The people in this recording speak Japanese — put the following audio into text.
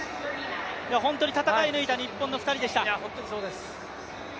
本当に戦い抜いた日本の２人でした。